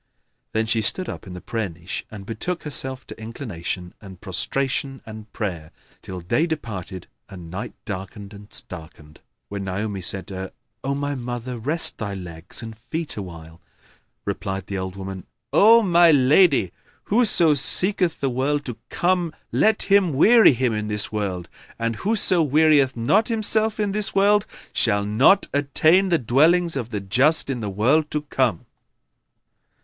Then she stood up in the prayer niche and betook herself to inclination and prostration and prayer, till day departed and night darkened and starkened, when Naomi said to her, "O my mother, rest thy legs and feet awhile." Replied the old woman "O my lady, whoso seeketh the world to come let him weary him in this world, and whoso wearieth not himself in this world shall not attain the dwellings of the just in the world to come."